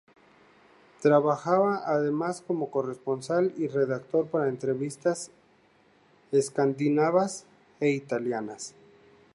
Trabajaba además como corresponsal y redactor para revistas escandinavas e italianas.